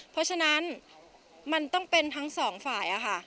เพราะฉะนั้นมันต้องเป็นทั้งสองฝ่าย